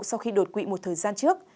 sau khi đột quỵ một thời gian trước